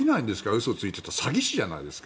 嘘ついてて詐欺師じゃないですか。